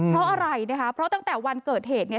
เพราะอะไรนะคะเพราะตั้งแต่วันเกิดเหตุเนี่ย